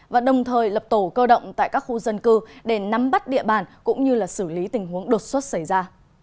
và đồng thời lập tổ cơ động tại các khu dân cư để nắm bắt địa bàn cũng như xử lý tình huống đột xuất xảy ra